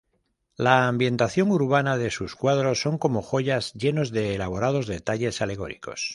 La ambientación urbana de sus cuadros son como joyas, llenos de elaborados detalles alegóricos.